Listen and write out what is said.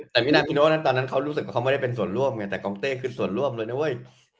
แต่มินากิโน่นั้นตอนนั้นเขารู้สึกว่าเขาไม่ได้เป็นส่วนร่วมไงแต่กองเต้คือส่วนร่วมเลยนะเว้ย